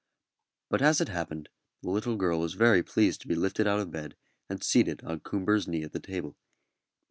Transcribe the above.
But as it happened the little girl was very pleased to be lifted out of bed and seated on Coomber's knee at the table.